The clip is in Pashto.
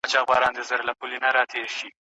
د مینانو د لښکرو قدر څه پیژني